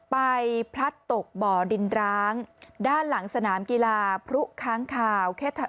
พลัดตกบ่อดินร้างด้านหลังสนามกีฬาพรุค้างคาว